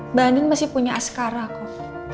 mbak anin masih punya askara kok